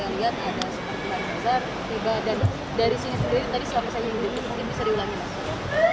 dan dari sini sendiri tadi siapa saja yang di sini mungkin bisa diulangi